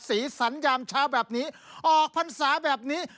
สีสันยามเช้าแบบนี้ออกพรรษาแบบนี้